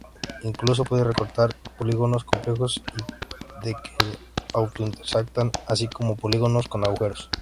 Incluso puede recortar polígonos complejos y que se auto-intersectan así como polígonos con agujeros.